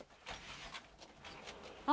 あ！